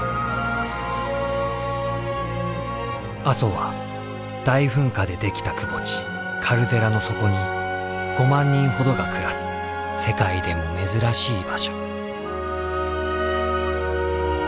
阿蘇は大噴火で出来た窪地カルデラの底に５万人ほどが暮らす世界でも珍しい場所。